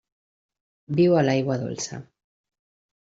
Viu a l'aigua dolça.